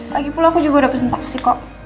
lagipula aku juga udah presentasi kok